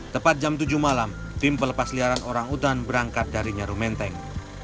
tepat jam tujuh malam tim pelepasliaran orang utan berangkat dari nyaru menteng